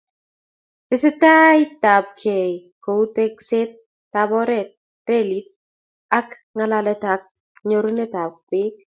Testai ab kei kou tekset ab oret, relit ak ngalalet ak nyorunet ab peek